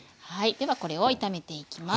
ではこれを炒めていきます。